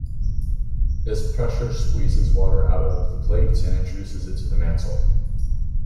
This pressure squeezes water out of the plate and introduces it to the mantle.